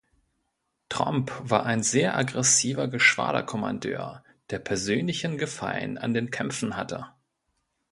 Tromp war ein sehr aggressiver Geschwader-Kommandeur, der persönlichen Gefallen an den Kämpfen hatte.